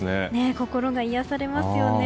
心が癒やされますよね。